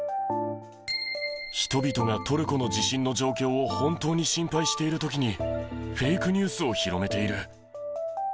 人々がトルコの地震の状況を本当に心配しているときに、フェイクニュースを広めている。